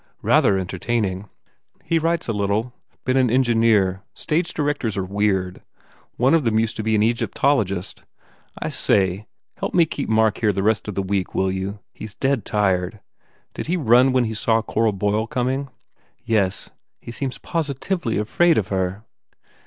... Rather entertaining." "He writes a little. Been an engineer. Stage directors are weird. One of them used to be an 231 THE FAIR REWARDS Egyptologist. I say, help me keep Mark here the rest of the week, will you? He s dead tired. Did he run when he saw Cora Boyle coming?" "Yes. He seems positively afraid of her!"